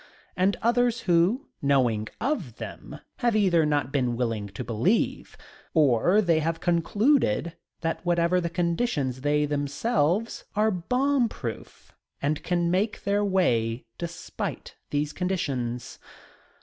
And others who, knowing of them, have either not been willing to believe or they have concluded that whatever the conditions they themselves are bomb proof and can make their way despite these conditions.